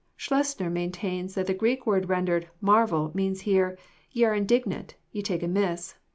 k Schleusner maintains that the Greek word rendered *' marvel means here, ye arejiulignant, ye take amiss.